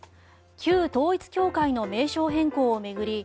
旧統一教会の名称変更を巡り